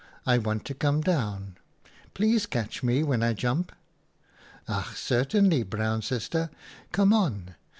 I want to come down. Please catch me when I jump.' "■ Ach, certainly Brown Sister, come on.